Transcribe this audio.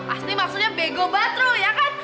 pasti maksudnya bego banget lo ya kan